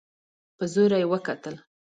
په زوره يې وکتل.